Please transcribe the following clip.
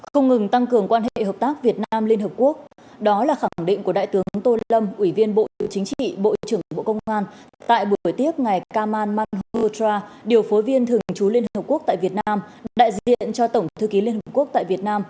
không ngừng tăng cường quan hệ hợp tác việt nam liên hợp quốc đó là khẳng định của đại tướng tô lâm ủy viên bộ chính trị bộ trưởng bộ công an tại buổi tiếp ngày kamal manhotra điều phối viên thường trú liên hợp quốc tại việt nam đại diện cho tổng thư ký liên hợp quốc tại việt nam